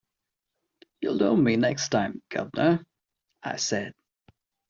“You’ll know me next time, guv’nor,” I said.